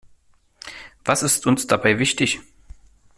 Was ist uns dabei wichtig?